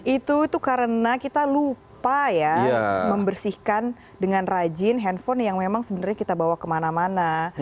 itu karena kita lupa ya membersihkan dengan rajin handphone yang memang sebenarnya kita bawa kemana mana